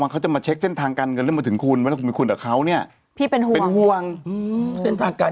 ก็ตายละที่ตัวเองเล่านี่ห้ามขัด